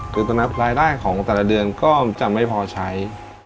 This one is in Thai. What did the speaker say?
คือตอนนั้นรายได้ของแต่ละเดือนก็จะไม่พอใช้